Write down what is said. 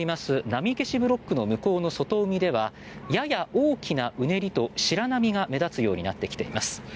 波消しブロックの向こうの外海ではやや大きなうねりと白波が目立つようになってきています。